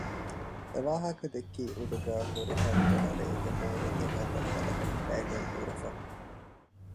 އެވާހަކަ ދެއްކީ އުޑުގައި ހުރި ހަތްވަނަ ރޭގެ މޫރިތި ހަނދަށް ބަލަހައްޓައިގެން ހުރެފަ